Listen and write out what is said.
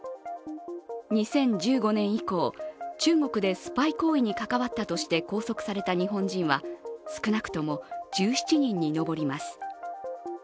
２０１５年以降、中国でスパイ行為に関わったとして拘束された日本人は少なくとも１７人に上ります。